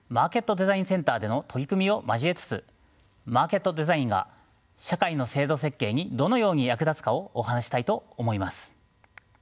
デザインセンターでの取り組みを交えつつマーケットデザインが社会の制度設計にどのように役立つかをお話ししたいと思います。